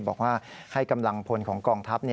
บอกว่าให้กำลังพลของกองทัพ